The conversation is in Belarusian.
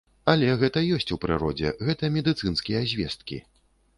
Але гэта ёсць у прыродзе, гэта медыцынскія звесткі.